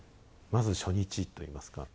まず初日といいますか。